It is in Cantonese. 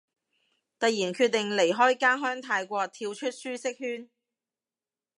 突然決定離開家鄉泰國，跳出舒適圈